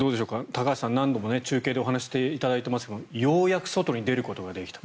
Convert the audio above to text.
高橋さん、何度も中継でお話しいただいていますがようやく外に出ることができた。